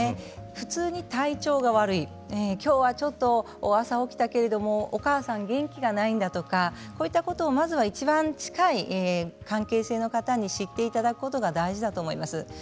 普通に体調が悪いきょうはちょっと朝起きたけれどもお母さん元気がないんだとかこういったことをまずいちばん近い関係性の方に知っていただくことが大事だと思います。